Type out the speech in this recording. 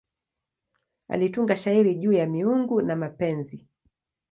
Alitunga shairi juu ya miungu na mapenzi.